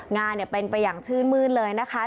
งานเป็นไปอย่างชื่นมืดเลยนะคะ